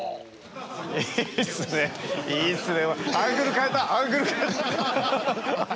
いいっすねいいっすね。